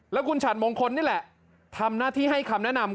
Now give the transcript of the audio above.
แล้วคุณฉัดมงคลนี่แหละทำหน้าที่ให้คำแนะนำ